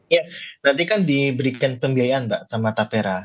ya berarti kan diberikan pembiayaan mbak sama tapera